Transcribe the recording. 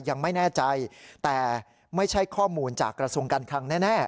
ยังไม่แน่ใจแต่ไม่ใช่ข้อมูลจากกระทรวงการคังแน่